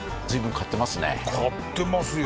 「買ってますよ」